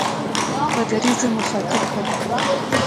پادري زه مخاطب کړم.